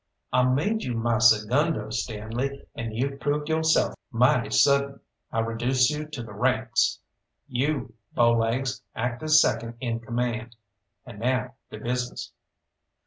"I made you my segundo, Stanley, and you've proved yo'self mighty sudden. I reduce you to the ranks. You, Bowlaigs, act as second in command. And now to business.